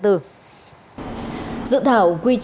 dự thảo quy chế tổ chức nhà nước